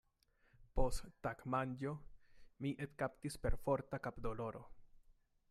Post tagmanĝo, min ekkaptis perforta kapdoloro.